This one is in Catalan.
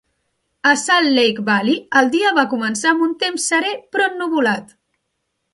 A Salt Lake Valley, el dia va començar amb un temps serè però ennuvolat.